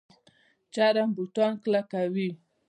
چرم بوټان کلک وي